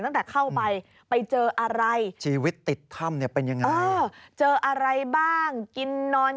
ตั้งแต่เข้าไปไปเจออะไรชีวิตติดถ้ำเนี่ยเป็นยังไงเออเจออะไรบ้างกินนอน